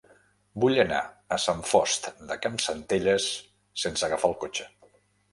Vull anar a Sant Fost de Campsentelles sense agafar el cotxe.